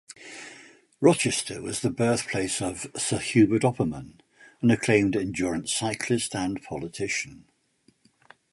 Rochester was the birthplace of Sir Hubert Opperman, an acclaimed endurance cyclist and politician.